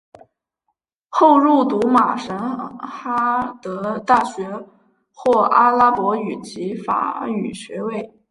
后入读马什哈德大学获阿拉伯语及法语学位。